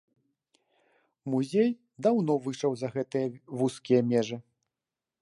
Музей даўно выйшаў за гэтыя вузкія межы.